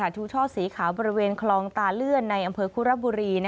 ชูช่อสีขาวบริเวณคลองตาเลื่อนในอำเภอคุระบุรี